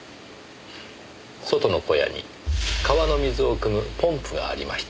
外の小屋に川の水をくむポンプがありました。